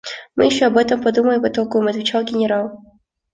– Мы еще об этом подумаем и потолкуем, – отвечал генерал.